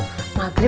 sumpah mudah out